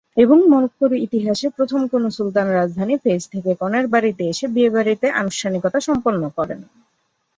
এবং মরক্কোর ইতিহাসে প্রথম কোনো সুলতান রাজধানী ফেজ থেকে কনের বাড়িতে এসে বিয়ে বিয়ের আনুষ্ঠানিকতা সম্পন্ন করেন।